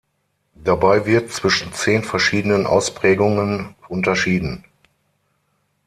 Dabei wird zwischen zehn verschiedenen Ausprägungen unterschieden.